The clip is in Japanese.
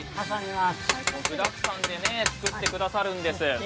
具だくさんで作ってくださるんです。